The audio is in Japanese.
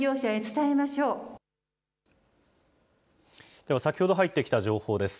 では、先ほど入ってきた情報です。